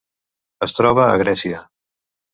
Es troba a Grècia.